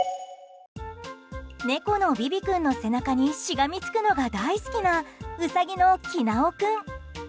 猫のビビ君の背中にしがみつくのが大好きなウサギのきなお君。